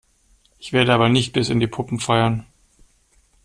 Ich werde aber nicht bis in die Puppen feiern.